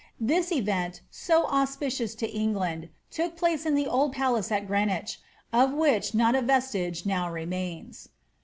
This event, so auspicious to England, took place in the old palace at Greenwich, of which not a vestige now remains.